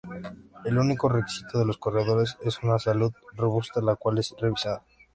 El único requisito de los corredores es una salud robusta, la cual es revisada.